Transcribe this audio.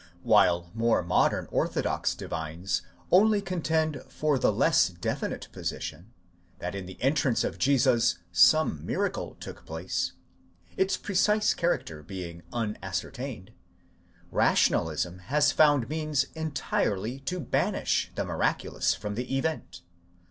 8 While more modern orthodox divines only contend for the less definite position, that in the entrance of Jesus some miracle took place, its precise character being un ascertained : Rationalism has found means entirely to banish the miraculous from the event.